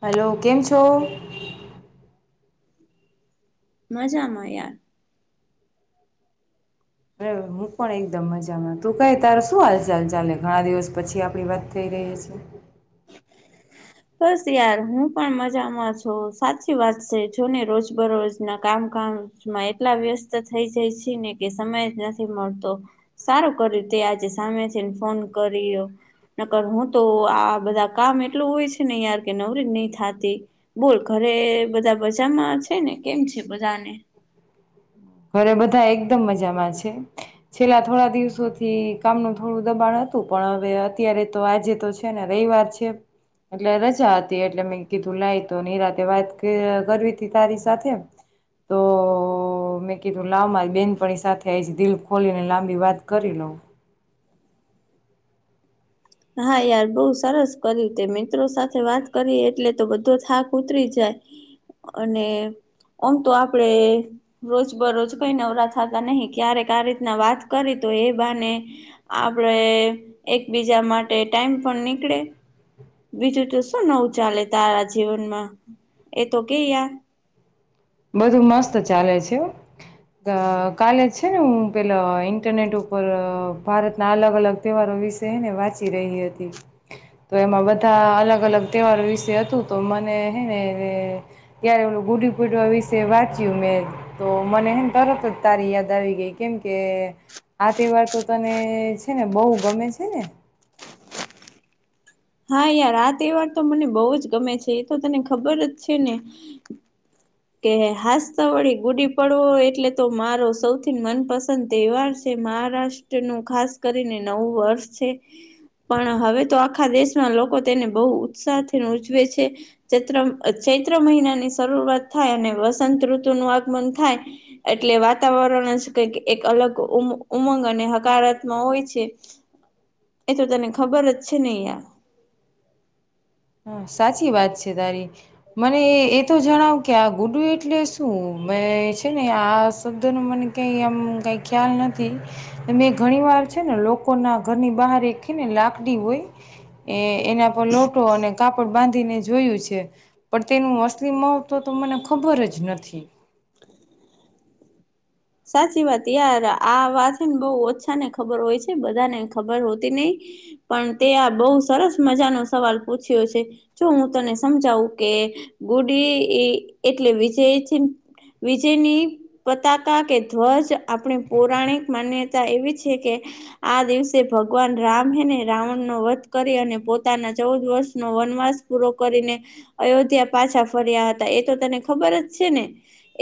Hello કેમ છો? મજામાં યાર. અરે હું પણ એકદમ મજામાં. તું ક તાર શું હાલચાલ ચાલે ઘણા દિવસ પછી આપણી વાત થઈ તે છે. હ બસ યાર હું પણ મજામાં છું. સાચી વાત છે જોને રોજ બરોજ ના કામ માં એટલા વ્યસ્ત થઈ જાય છે ને કે સમય જ નથી મળતો. સારું કર્યું તે આજે સામે છે ને ફોન કર્યો. નકર હું તો આ બધા કામ એટલું હોય છે ને યાર કે નવરી નહી થાતી બોલ ઘરે બધા બજારમાં છે ને કેમ છે બધા ને. ઘરે બધા એકદમ મજામાં છે. છેલ્લા થોડા દિવસો થી કામનું થોડું દબાણ હતુ. પણ હવે અત્યારે તો આજે તો છે ને રવિવાર છે એટલે રજા હતી એટલે મેં કીધું લાઈ તો નિરાતેવાત કરવી હતી તારી સાથે તો મે કે તું લાંબ બેનપણી સાથે એ જ દિલ ખોલીને લાંબી વાત કરી લઉં. હા યાર, બઉ સરસ કર્યું તે મિત્રો સાથે વાત કરી એટલે તો બધો થાક ઉતરી જાય અને આમ તો આપડે રોજ બરોજ કઈ નવરા થતા નહી ક્યારેક આ રીતના વાત કરી તો એ બાને આપણે એકબીજા માટે ટાઈમ પણ નીકળે. બીજું તો શું નવું ચાલે તારા જીવનમાં એ તો કે? બધું મસ્ત ચાલે છે. કાલે જ છે ને હું પેલા ઇન્ટરનેટ ઉપર ભારતના અલગ અલગ તહેવારો- - વાંચી રહી હતી તો એમાં બધા અલગ અલગ તહેવાર વિશે હતું તો- - હે ને ત્યારે એું ગુડી પડવા- - વિશે વાંચ્યું મેં તો મને એમ તરત જ તારી યાદ આવી ગઈ કેમ કે- - આ તહેવાર તો તને છે ને બહુ ગમે છે ને? હા યાર આ તહેવાર તો મને બહુ જ ગમે છે એ તો તને ખબર જ છે ને? કે હાાસતા વળી ગુડી પડવો એટલે તો મારો સૌથી મનપસંદ તહેવાર છે. મહારાષ્ટ્ર નું ખાસ કરીને નવું વર્ષ છે પણ હવે તો આખા દેશ- - લોકો તેને બહુ ઉત્સાહથી ઉજવે છે ચ ચૈત્ર મહિના ની શરૂઆત અને વસંત ઋતુ નું આગમન થાય એટલે વાતાવરણ જ ક એક અલગ ઉમ- - ઉમંગ અને હકારાત્મ હોય છે એ તો તને ખબર જ છે નેં? હા સાચી વાત છે તારી મને એતો જણાવ કે આ ગુડુ એટલે શું? મેં છે ને આ શબ્દ ન મને કઈ આમ કઈ ખ્યાલ નથી મેં ઘણી વાર છે ને લોકો ના ઘરની બહાર એકખી ને લાકડી હોય એ એના પર લોટ ટો અને કાપડ બાંધીને જોયું છે પણ તેનું અસલી મહત્વ તો મને ખબર જ નથી. [inaudible] સાચી વાત યાર આ વાત છે ને બહુ ઓછા ને ખબર હોય છે બધાને ખબર હોતી નહિ. પણ તે આ બહુ સરસ મજા નો સવાલ પૂછ્યો છે જો હું તને સમજાવું કે ગુડી એ એટલે વિજય વિજયની પતાક તા કે ધ્વજ આપણી પૌરાણિક માન્યતા એવી છે કે આ દિવસે ભગવાન રામ રામ હેને રાવણ નો વધ કરી અને પોતાના ચૌદ વર્ષ નો વનવાસ પૂરો કરીને અયોધ્યા પાછા ફર્યા હતા એ તો તને ખબર જ છે ને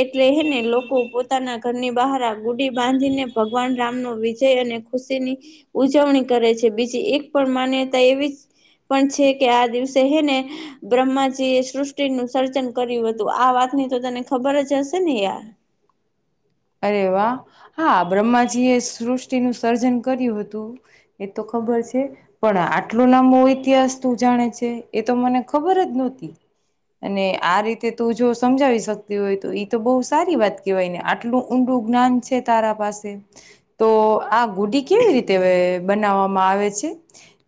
એટલે હે ને લોકો પોત પોતા ના ઘરની બહાર ગુડી બાંધીને ભગવાન રામનો વિજય અને ખુશી ની ઉજવણી કરે છે બીજી એક પણ માન્યતા એવી પણ છે કે આ દિવસે હે ને બ્રહ્માજી એ સૃષ્ટિનું સર્જન કર્યું હતું આ વાત ની તો તને ખબર જ હશે ને યાર. અરે વાહ હા બ્રહ્માજી એ સૃષ્ટિ નું સર્જન કર્યું હતું એ તો ખબર છે. પણ આટલું લાબો ઇતિહાસ તું જાણે છે એ તો મને ખબર જ નહોતી. અને આ રીતે તું જો સમજાવી શકતી હોય તો એ તો બહુ સારી વાત કહેવાય ને આટલું ઊંડું જ્ઞાન છે તારા પાસે તો આ ગુડી કેવી રીતે બનાવવામાં આવે આવે છે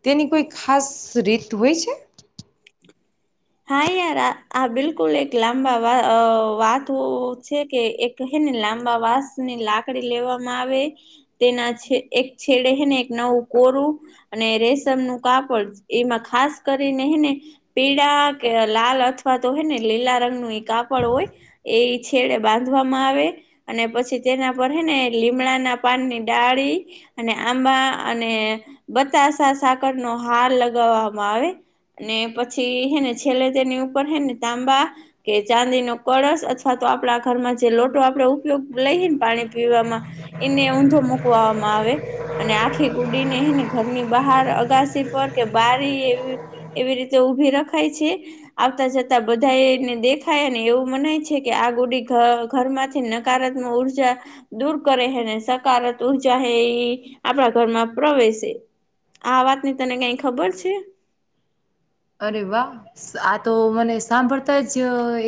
તેની કોઈ ખાસ રીત હોય છે. [inaudible] હા યાર આ આ બિલકુલ એક લાંબા વા વાત છે કે એક લાંબા વાસ ની લાકડી લેવામાં આવે તેના એક છેડેને એક નવું કોરું અને રેશમ નું કાપડ એમાં ખાસ કરીને એને પીળા કે લાલ અથવા તો હોય ને લીલા રંગ નુ કાપડ હોય એ છેડે બાંધવામાં આવે અને પછી તેના પર હે ને લીમડાના પાનની ડાળી અને આંબા અને ને બતાસા સાકર નો હાર લગાવવામાં આવે અને પછી હેને છેલ્લે તેની ઉપર છેે ને તાંબા કે ચાંદી નો કળશ અથવા તો આપડા ઘરમાં જે લોટો ઉપયોગ લઈને પાણી પીવામાં એને ઊંધો મુકવામાં આવે અને આખી ગુડી નેને ઘરની બહાર અગાસી પર કે બારી એવી એવી રીતે ઉભી રખ ખા છે આવતા જતા બધાને દેખાય અને એવું મનાય છે કે આ ગુડી ઘર માંથી નકારાત્મક ઉર્જા દૂર કરે હેને સકાર ઉર્જા હે એ આપણા ઘર માં પ્રવેશે આ વાતની તને કઈ ખબર છે. અરે વાહ આ તો મને સાંભળતા જ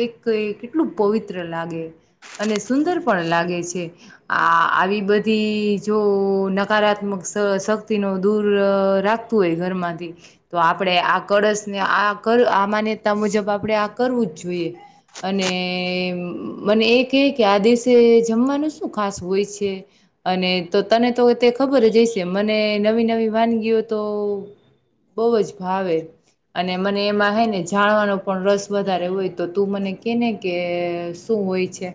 એક કેટલું પવિત્ર લાગે. [unintelligible] અને સુંદર પણ લાગે છે આ આવી બધી જો નકારાત્મક શ શક્તિનુ દૂર રાખતું હોય ઘરમાંથી તો આપણેે આ કળશને આ કર આ માન્યતા મુજબ આપણે આ કરવું જ જોઈએ અને મને એ કે આ દિવસે જમવાનું શું ખાસ હોય છે, અને તો તને તો તે ખબર જ હશે મને નવી નવી વાનગીઓ તો બહુ જ ભાવે અને મને એમાં હે ને જાણવાનો પણ રસ વધારે હોય તો તું મને કેને કે શું હોય છે.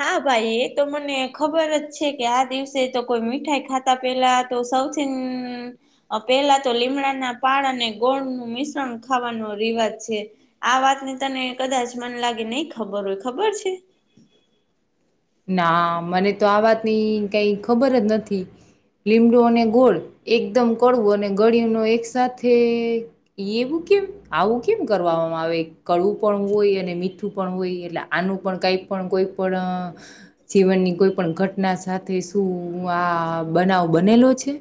હા ભાઈ એ તો મને ખબર જ છે, કે આ દિવસે તો કોઈ મીઠાઈ ખાતા પેલા તો સૌથી પહેલા તો લીમડાના પાળ અને ગોળ નું મિશ્રણ ખાવાનો રી [unintelligible] છે, આ વાતને તને કદાચ મન લાગે નહી ખબર હોય ખબર છે. ના મને તો આ વાતની કઈ ખબર જ નથી. લીમડું અને ગોળ એકદમ કડવું અને ગળી નુ એક સાથે એવું કેમ આવું કેમ કરવામાં આવે કળું પણ હોય અને મીઠું પણ હોય એટલે આનું પણ કાઈ પણ કોઈ પણ અ જીવનની કોઈ પણ ઘટના સાથે શું આ બનાવ બનેલો છે.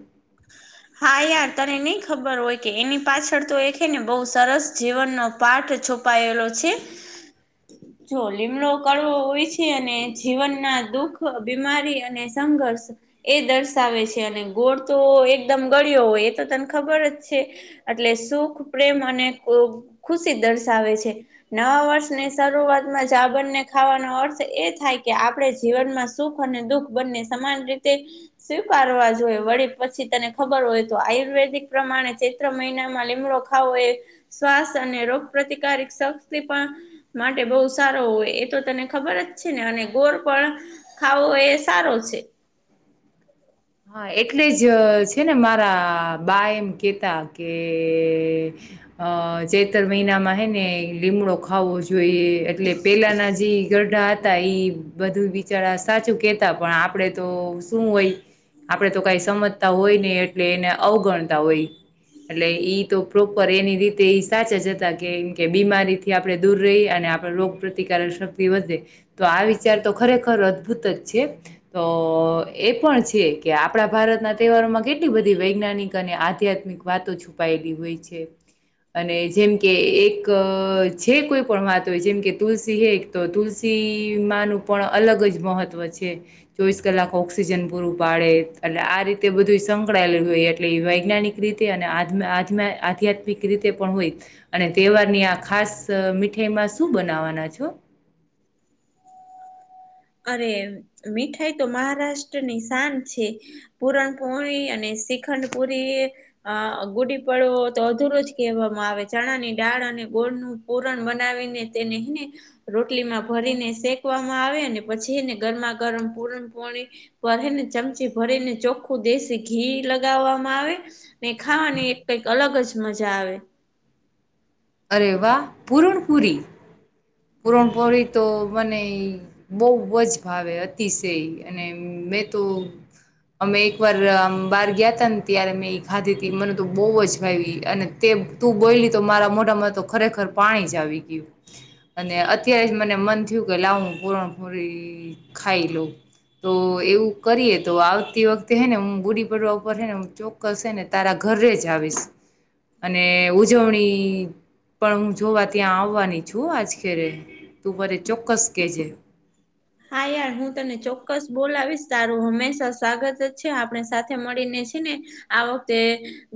[inaudible] હા યાર તને નહી ખબર હોય કે એની પાછળ તો એે ને બહુ સરસ જીવનનો પાઠ. છુપાયેલો છે. જો લીમડો કરવો હોય છે, અને જીવન ના દુઃખ બીમારી અને સંઘર્ષ એ દર્શાવે છે, અને ગોળ તો એકદમ ગળયો હોય એ તો તને ખબર જ છે. એટલે સુખ પ્રેમ અને ખુશી દર્શાવે છે, નવા વર્ષને. શરૂઆતમાં જ બંને ખાવાનો અર્થ એ થાય કે આપણે જીવનમાં સુખ અને દુઃખ બંને સમાન રીતે સ્વીકારવા જોઈએ વળી પછી તને ખબર હોય તો આયુર્વેદિક પ્રમાણે મહિનામાં લીમડો ખાવો એ શ્વાસ અને રોગ પ્ર્રતિકારક શક્તિ પણ. માટે બહુ સારો હોય એ તો તને ખબર જ છે, ને અને ગોર પણ ખાવો હોય એ સારો છે. [inaudible] હા એટલે જ છે, ને મારા બા એમ કેતા કે. અ [unintelligible] મહિનામાં હે ને લીમડો ખાવો જોઈએ એટલે પેલાના જે. [unintelligible] હતા બધું બિચારા સાચું કેતા પણ આપડે તો શું હોય. આપડણે તો કઈ સમજતા હોય ને એટલે એને અવગણતા હોય. એટલે ઈ તો પ્રોપર એની રીતે સાચા જ હતા કેમ કે બીમારીથી આપણે દૂર રહી અને. આપ રોગ પ્રતિકારક શક્તિ વધે તો આ વિચાર તો ખરેખર અદભુત જ છે, તો. [unintelligible] પણ છે. કે આપણા ભારતના તહેવારોમાં કેટલી બધી વૈજ્ઞાનિક અને આધ્યાત્મિક વાતો છુપાયેલી હોય છે. અને જેમ કે એક જે કોઈ પણ વાત હોય જેમ કે તુલસી હે એક તો તુલસી. ન પણ અલગ જ મહત્વ છે, ચોવીસ કલાક ઓક્સિજન પૂરું. પાડે એટલે આ રીતે બધું સંકળાયેલું હોય એટલે એ વૈજ્ઞાનિક રીતે અને આધ્યાત્મિક રીતે પણ હોય અને તહેવાર ની આ ખાસ મીઠાઈમાં શું બનાવાના છો. હા [inaudible] અરે મીઠાઈ તો મહારાષ્ટ્રની [unintelligible] છે, પૂરણપોળ અને. શ્રીખંડ પુરી ગુડી પડો તો અધરો જ કહેવામાં આવે ચણાની ડાળ અને. ગોળ નું પૂરણ બનાવીને તેનેને રોટલીમાં ભરીને શેકવામાં આવે પછીને ગરમા ગરમ પૂરમ પાણી ભરે ને ચમચી ભરીને ચોખ્ખું દેશી ઘી. લગાવવામાં આવે ને ખાવાની કઈક અલગ જ મજા આવે. અરે વાહ પૂર્ણપુરી. પૂરણપોરી તો મને બહ જ ભાવે અતિશય અને. મેં તો અમે એક વાર બાર ગયા ત ને ત્યારે મેં ખાધી તી મને તો [unintelligible] અને. તું બોલી તો મારા મોટ. ખરેખર પાણી જ આવી ગયું અને અત્યારે જ મને મન થયું કે લાવું પરણ ખાઈ લો. તો એવું કરીએે તો આવતી વખતે હે ને હું બુડી [unintelligible] ઉપર હે ને ચોક્કસ છેે, ને [unintelligible] ઘરે જ આવીશ અને ઉજવણી પણ હું જોવા ત્યાં આવવાની છું આજખેરે તું મરે ચોક્કસ કેજે. હ [inaudible] હા યાર હું તને ચોક્કસ બોલાવીશ તારું હંમેશા સ્વાગત જ છે આપણે સાથે મળીને ને આ વખતે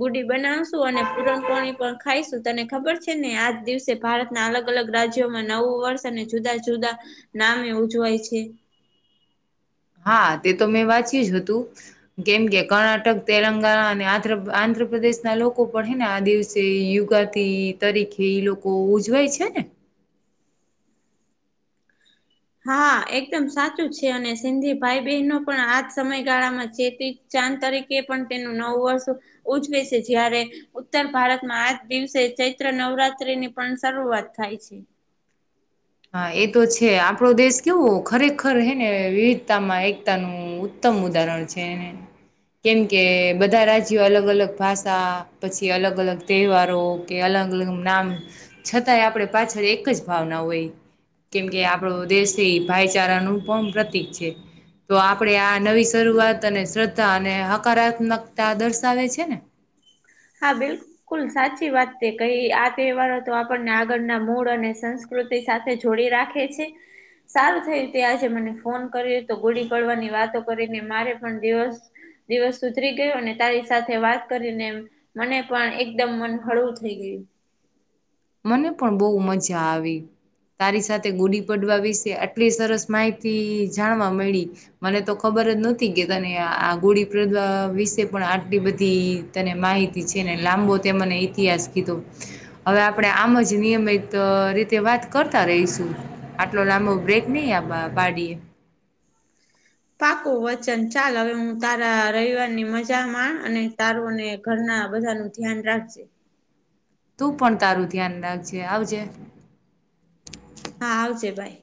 ગુડી બનાવશું અને પુરણ પાણી પણ ખાઈશું. તને ખબર છે ને આજ દિવસે ભારતના અલગ અલગ રાજ્યોમાં નવું વર્ષ અને જુદા જુદા સાામે ઉજવાય છે. હા તે તો મેં વાંચ્યું જ હતું કેમ કે કર્ણાટક તેલંગાણા અને આ્ર આંધ્ર ઉત્ર પ્રદેશ ના લોકો પણ હે ને આ દિવસે યુગાથી તરીકે ઈ લોકો ઉજવાય છે ને. [inaudible] હા એકદમ સાચું છે અને સિંધી ભાઈ બહેનો પણ આજ સમયગાળામાં ચેતી તરીકે પણ તેનું નવું વર્ષ ઉજવે છે જય્યારે ઉત્તર ભારતમાં આ દિવસે ચૈત્ર નવરાત્રી ની પણ શરૂઆત થાય છે. હા એ તો છે આપડો દેશ કેવો ખરેખર હે ને વિવિધતા માં એકતાનું ઉત્ત સમ ઉદહરણ છે. કેમ કે બધા રાજ્યો અલગ અલગ ભાષા પછી અલગ અલગ તહેવારો કે અલગ અલલ નામ છતાંય આપણે પાછળ એક જ ભાવના હોય. કેમ કે આપડો દેશથી ભાઈચારાનું પણ પ્રતીિક છે. તો આપણેે આ નવી શરૂઆત અને શ્રદ્ધા અને હકારાત્મકતા દર્શાવે છે ને. [inaudible] હા બિલકુલ સાચી વાત છે કઈ આ તહેવારો તો આપણને આગળના મૂળ અને સંસ્કૃત. સાથે જોડી રાખે છે. સારું થય તે આજે મને ફોન કર્યો તો ગોડી પડવાની વાતો કરીને મારે પણ દિવસ દિવસ ઉધરી ગયો અને તારી સાથે વાત કરીને મને પણ એકદમ મન હળવું થઈ ગયું. મને પણ બહુ મજા આવી. તારી સાથે ગુડી પડવા વિશે આટલી સરસ માહિતી જાણવા મળી મને તો ખબર જ નથી કે તને આ ગોળી પ્રદા વિશે પણ આટલી બધી તને માહિતી છે ને. લાંબો તે મને ઇતિહાસ કીધો હવે આપણે આમ જ નિયમિત રીતે વાત કરતા રહીશું આટલો લાંબો બ્રેક નહીં આ બા. વાડી [inaudible] પાકોું વચન ચાલ હવે હું તારા રવિવારની મજા માણ અને તારોને ઘરના ના બધા ન ધ્યાન રાખજે. તું પણ તારું ધ્યાન રાખજે આવજે. હા આવજે બાય.